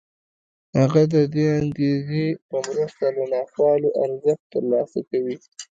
هغه د دې انګېزې په مرسته له ناخوالو ارزښت ترلاسه کوي